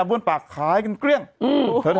อาบน้ำยังไงอ่ะเธอ